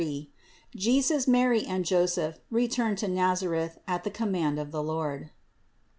JESUS, MARY AND JOSEPH RETURN TO NAZARETH AT THE COMMAND OF THE LORD.